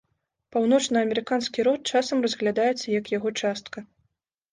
Паўночнаамерыканскі род часам разглядаецца як яго частка.